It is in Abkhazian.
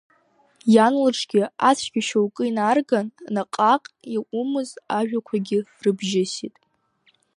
Иан лҿгьы ацәгьа шьоукы инарган, наҟ-ааҟ иакәымыз ажәақәакгьы рыбжьысит.